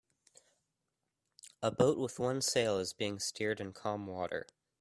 A boat with one sail is being steered in calm water.